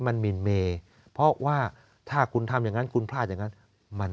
มันหมินเมเพราะว่าถ้าคุณทำอย่างนั้นคุณพลาดอย่างนั้น